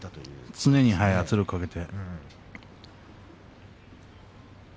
常に圧力をかけて。